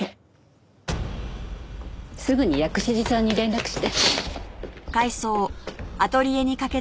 すぐに薬師寺さんに連絡して。